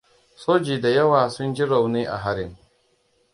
Sojoji da yawa sun ji rauni a harin.